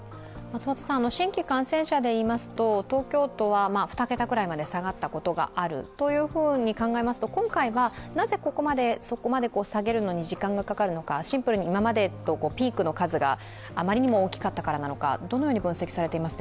新規感染者でいいますと、東京都は２桁くらいまで下がったことがあるということで言いますと今回はなぜ、そこまで下げるのに時間がかかるのか、シンプルに今までピークの数があまりにも多かったのか。